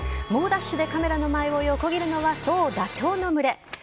猛ダッシュでカメラの前を横切るのは、そう、ダチョウの群れ。